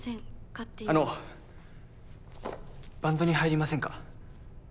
あのバンドに入りませんか？